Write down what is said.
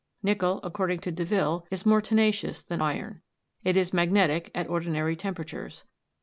Nickel, according to Deville, is more tenacious than iron. It is magnetic at ordinary temperatures.